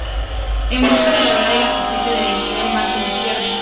En busca de la verdad y la justicia", de la editorial Margen Izquierdo.